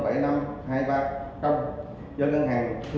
chi nhánh hồ chí minh